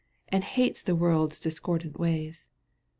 And hates the world's discordant ways.